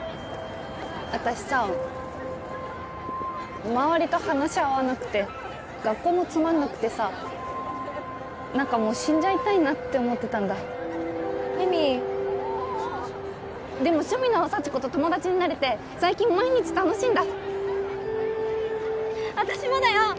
私さ周りと話合わなくて学校もつまんなくてさなんかもう死んじゃいたいなって思ってたんだエミーでも趣味の友達になれて最近毎日楽しいんだ私もだよ！